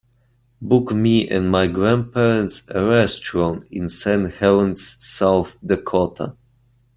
book me and my grandparents a restaurant in Saint Helens South Dakota